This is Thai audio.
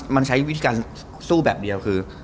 มันใช้วิธีการสู้แบบเดียวคือ